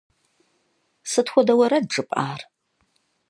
Сыт хуэдэ уэрэд жыпӀар?